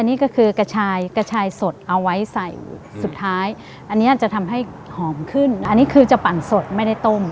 นี่ก็คือกระชายกระชายสดเอาไว้ใส่สุดท้ายอันนี้จะทำให้หอมขึ้นอันนี้คือจะปั่นสดไม่ได้ต้ม